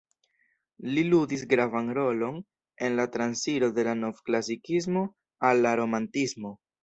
Li ludis gravan rolon en la transiro de la Novklasikismo al la Romantismo.